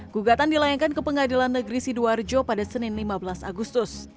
gugatan dilayangkan ke pengadilan negeri sidoarjo pada senin lima belas agustus